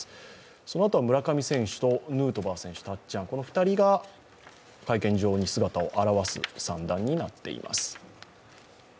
そのあとは村上選手とヌートバー選手、たっちゃん、この２人が会見場に姿を現す算段になっています。